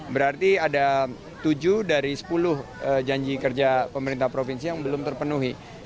berarti ada tujuh dari sepuluh janji kerja pemerintah provinsi yang belum terpenuhi